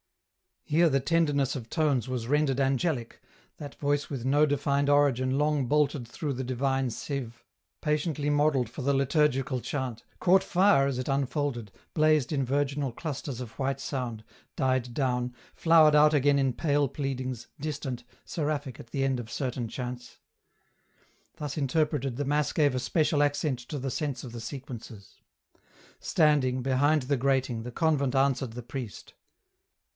Here the tenderness of tones was rendered angelic, that voice with no defined origin long bolted through the divine sieve, patiently modelled for the liturgical chant, caught fire as it unfolded, blazed in virginal clusters of white sound, died down, flowered out again in pale pleadings, distant, seraphic at the end of certain chants. Thus interpreted the Mass gave a special accent to the sense of the sequences. Standing, behind the grating, the convent answered the priest.